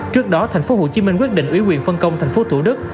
trước đó thành phố hồ chí minh quyết định ủy quyền phân công thành phố thủ đức